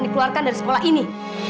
kamu akan dikeluarkan dari sekolah ini